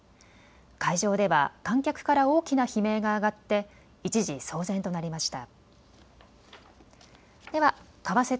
会場では観客から大きな悲鳴が上がって一時、騒然となりました。